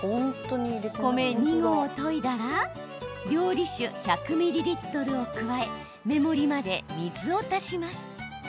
米２合を研いだら料理酒１００ミリリットルを加え、目盛りまで水を足します。